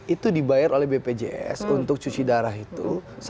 itu dibayar oleh bpjs untuk cuci darah itu